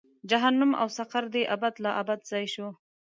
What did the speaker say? جهنم او سقر دې ابد لا ابد ځای شو.